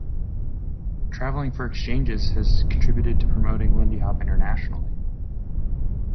Traveling for exchanges has contributed to promoting lindy hop internationally.